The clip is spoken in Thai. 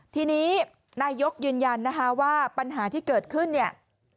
ทีนี้นายกยืนยันนะคะว่าปัญหาที่เกิดขึ้นเนี่ย